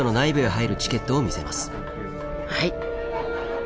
はい。